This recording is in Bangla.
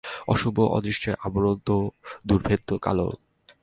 অশুভ অদৃষ্টের আবরণ তো দুর্ভেদ্য কালো।